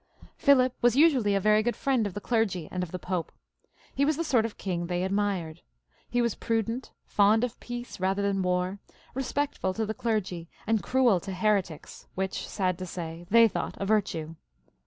Philip was usually a very good friend of the clergy 102 PHILIP IL {A UGUSTE): [CH. ■ 1. 1. »■ and of the Pope. He was the sort of king they admired. He was prudent, fond of peace rather than war, respectful to th,e clergy, and cruel to heretics, which, sad to say, they thought a virtue.